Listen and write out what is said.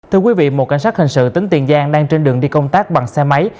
thưa quý vị một cảnh sát hình sự tính tiền giang đang trên đường đi công tác bằng xe máy